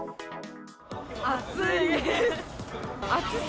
暑いです。